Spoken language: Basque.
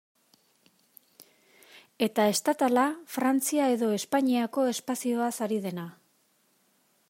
Eta estatala, Frantzia edo Espainiako espazioaz ari dena.